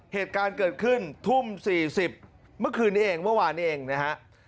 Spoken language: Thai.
เหตุการณ์เกิดขึ้นทุ่ม๔๐เมื่อคืนนี้เองเมื่อวานนี้เองนะฮะ